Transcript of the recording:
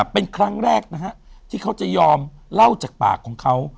เป็นครั้งแรกที่เขาจะยอมเล่าจากปากของเขา